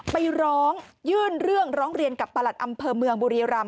ไปร้องยื่นเรื่องร้องเรียนกับประหลัดอำเภอเมืองบุรีรำ